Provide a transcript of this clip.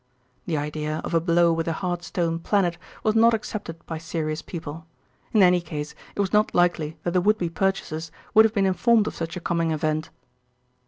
The idea of a blow with a hard stone planet was not accepted by serious people. In any case it was not likely that the would be purchasers would have been informed of such a coming event.